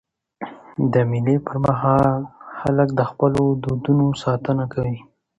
د مېلو پر مهال خلک د خپلو دودونو ساتنه کوي.